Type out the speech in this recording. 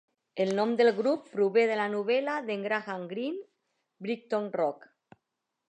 El nom del grup prové de la novel·la d'en Graham Greene "Brighton Rock".